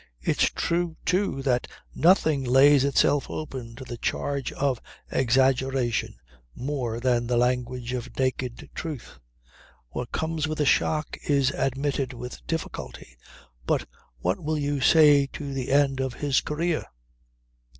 It's true too that nothing lays itself open to the charge of exaggeration more than the language of naked truth. What comes with a shock is admitted with difficulty. But what will you say to the end of his career?